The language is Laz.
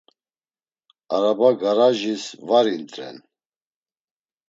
Araba garajis var int̆ren.